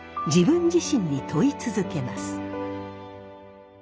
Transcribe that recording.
自分自身に問い続けます。